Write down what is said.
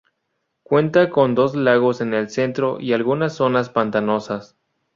Cuenta con dos lagos en el centro y algunas zonas pantanosas.